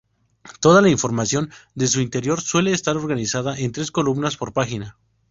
Toda la información de su interior suele estar organizada en tres columnas por página.